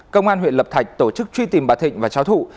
công an huyện lập thạch tổ chức truy tìm bà thịnh và cháu thụ